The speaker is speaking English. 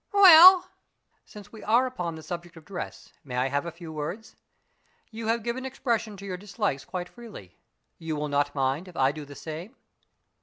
"Well?" "Since we are upon the subject of dress, may I have a few words? You have given expression to your dislikes quite freely. You will not mind if I do the same?"